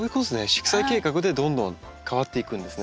色彩計画でどんどん変わっていくんですね。